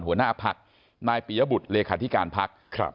หัวหน้าภักดิ์นายปิยบุตรเลขาธิการภักดิ์